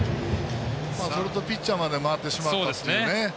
それとピッチャーまで回ってしまったというね。